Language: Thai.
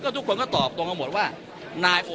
ทุกคนก็ตอบตรงกันหมดว่า